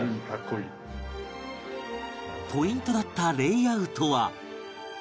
ポイントだったレイアウトは